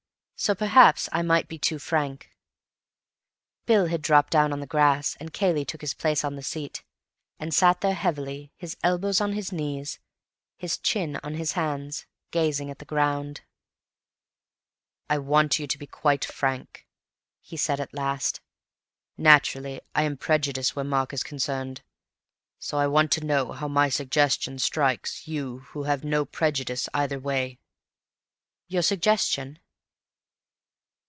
So perhaps I might be too frank." Bill had dropped down on the grass, and Cayley took his place on the seat, and sat there heavily, his elbows on his knees, his chin on his hands, gazing at the ground. "I want you to be quite frank," he said at last. "Naturally I am prejudiced where Mark is concerned. So I want to know how my suggestion strikes you—who have no prejudices either way." "Your suggestion?"